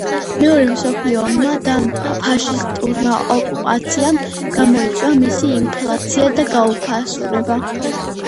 მეორე მსოფლიო ომმა და ფაშისტურმა ოკუპაციამ გამოიწვია მისი ინფლაცია და გაუფასურება.